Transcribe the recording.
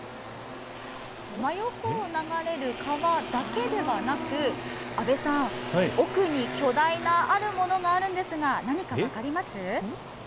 真横を流れる川だけではなく、阿部さん、奥に巨大なあるものがあるんですが、何か分かります？